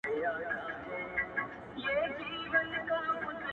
ستا شاعرۍ ته سلامي كومه-